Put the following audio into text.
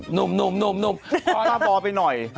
หนุ่มออร่าบอไปหน่อย